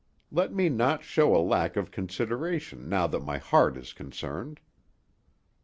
Let me not show a lack of consideration now that my heart is concerned."